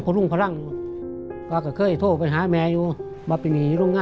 กับประยะวันก็ยังมีญาติพี่น้อง